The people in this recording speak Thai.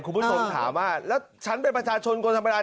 คุณผู้ชมถามว่าแล้วฉันเป็นประชาชนคนธรรมดา